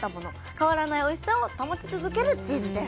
変わらないおいしさを保ち続けるチーズです。